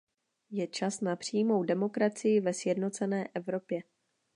Je čas na přímou demokracii ve sjednocené Evropě.